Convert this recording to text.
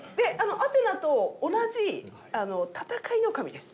アテナと同じ戦いの神です。